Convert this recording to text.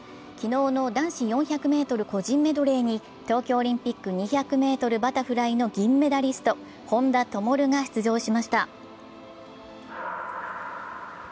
昨日の男子４００ｍ個人メドレーに東京オリンピック２００ｍバタフライの銀メダリスト、本多灯が出場しました。